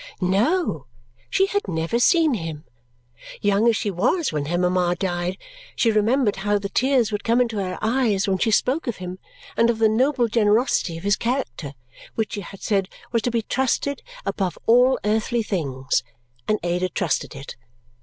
No, she had never seen him. Young as she was when her mama died, she remembered how the tears would come into her eyes when she spoke of him and of the noble generosity of his character, which she had said was to be trusted above all earthly things; and Ada trusted it.